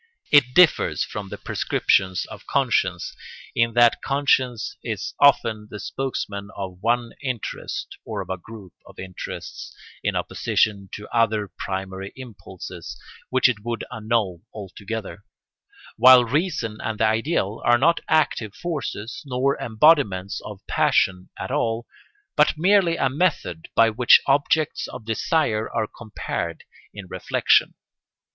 It differs from the prescription of conscience, in that conscience is often the spokesman of one interest or of a group of interests in opposition to other primary impulses which it would annul altogether; while reason and the ideal are not active forces nor embodiments of passion at all, but merely a method by which objects of desire are compared in reflection.